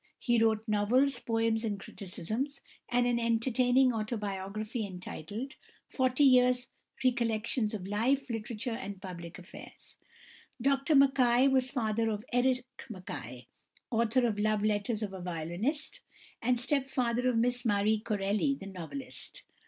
He wrote novels, poems, and criticisms, and an entertaining autobiography entitled "Forty Years' Recollections of Life, Literature, and Public Affairs." Dr Mackay was father of Eric Mackay, author of "Love Letters of a Violinist," and stepfather of Miss Marie Corelli the novelist.